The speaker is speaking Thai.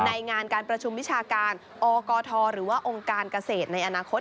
ในงานการประชุมวิชาการอกทหรือว่าองค์การเกษตรในอนาคต